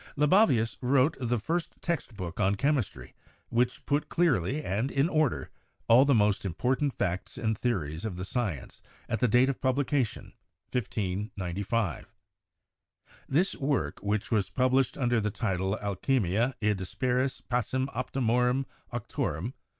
Libavius wrote the first text book on chemistry, which put, clearly and in order, all the most important facts and theories of the science at the date of publication (1595) ; this work, which was published under the title 'Alchemia e dispersis passim optimorum auctorum